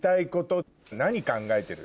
何考えてる？